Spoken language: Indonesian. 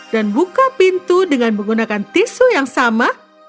dan buka pintu dengan menggunakan tisu yang sama